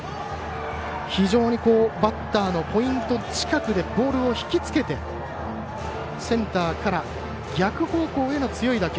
非常にバッターのポイント近くでボールを引きつけてセンターから逆方向への強い打球。